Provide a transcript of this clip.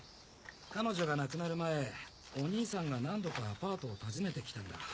彼女が亡くなる前お兄さんが何度かアパートを訪ねて来たんだ。